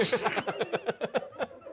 ハハハハハッ！